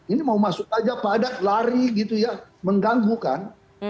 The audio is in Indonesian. ini mau masuk saja padat lari mengganggu kan